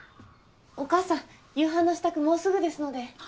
お母さん夕飯の支度もうすぐですので。